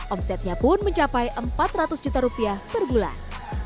omsetnya pun mencapai empat ratus juta rupiah per bulan